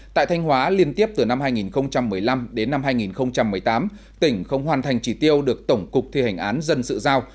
tại thanh hóa liên tiếp từ năm hai nghìn một mươi năm đến năm hai nghìn một mươi tám tỉnh không hoàn thành chỉ tiêu được tổng cục thi hành án dân sự giao